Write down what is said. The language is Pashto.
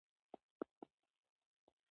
یوازې د مورفي له مخې مه قضاوت کوئ.